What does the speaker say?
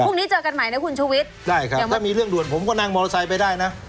พรุ่งนี้เจอกันใหม่นะคุณชุวิตได้ครับยังถ้ามีเรื่องด่วนผมก็นั่งมอเตอร์ไซค์ไปได้นะ